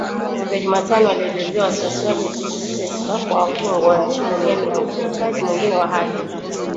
Siku ya Jumatano ,alielezea wasiwasi wake kuhusu kuteswa kwa wafungwa nchini Uganda na ukiukaji mwingine wa haki